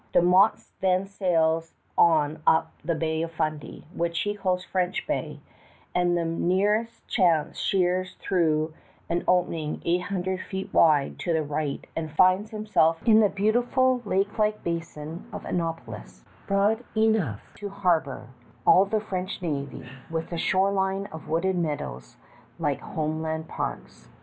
De Monts then sails on up the Bay of Fundy, which he calls French Bay, and by the merest chance sheers through an opening eight hundred feet wide to the right and finds himself in the beautiful lakelike Basin of Annapolis, broad chough to harbor all the French navy, with a shore line of wooded meadows like home land parks.